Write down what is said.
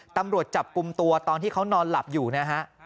ตำรวจจับกลุ่มตัวตอนที่เขานอนหลับอยู่นะฮะ